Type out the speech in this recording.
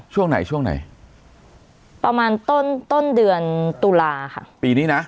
ช่วงไหนช่วงไหนประมาณต้นต้นเดือนตุลาค่ะปีนี้นะ